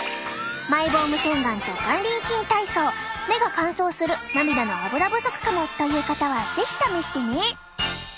マイボーム洗顔と眼輪筋体操目が乾燥する涙のアブラ不足かもという方は是非試してね！